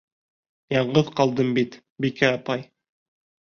Яңғыҙ ҡалдым бит, Бикә апай.